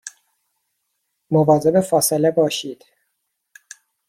مواظب فاصله باشید